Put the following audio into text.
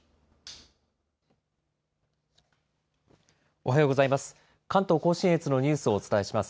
おはようございます。